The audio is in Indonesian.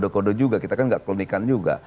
kode juga kita kan gak klinikan juga